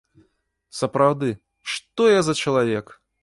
Сапраўды, што я за чалавек!